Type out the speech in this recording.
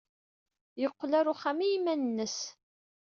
Yeqqel ɣer uxxam i yiman-nnes.